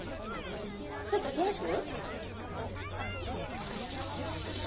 ちょっと冷やす？